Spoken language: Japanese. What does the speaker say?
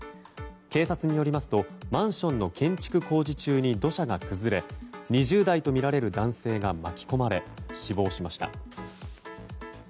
警察によりますとマンションの建築工事中に土砂が崩れ２０代とみられる男性が巻き込まれ死亡しました。